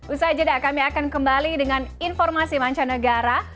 usai jeda kami akan kembali dengan informasi mancanegara